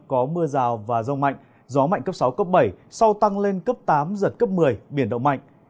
có mưa rào và rông mạnh gió mạnh cấp sáu cấp bảy sau tăng lên cấp tám giật cấp một mươi biển động mạnh